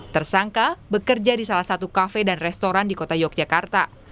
tersangka bekerja di salah satu kafe dan restoran di kota yogyakarta